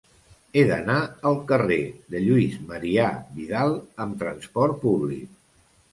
He d'anar al carrer de Lluís Marià Vidal amb trasport públic.